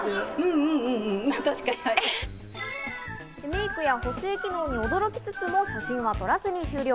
メイクや補正機能に驚きつつも、写真は撮らずに終了。